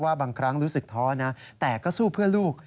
บางครั้งรู้สึกท้อนะแต่ก็สู้เพื่อลูก